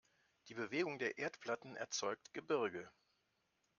Die Bewegung der Erdplatten erzeugt Gebirge.